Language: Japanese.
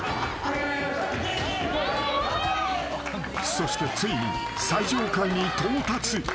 ［そしてついに最上階に到達］